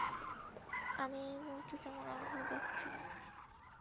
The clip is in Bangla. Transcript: আমি এই মুহূর্তে তেমন আগ্রহ দেখাচ্ছি না।